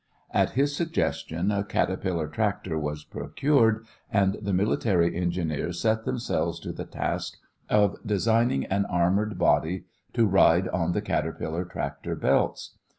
At his suggestion a caterpillar tractor was procured, and the military engineers set themselves to the task of designing an armored body to ride on the caterpillar tractor belts.